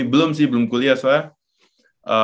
belum sih belum kuliah soalnya